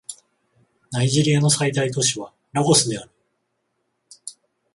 ナイジェリアの最大都市はラゴスである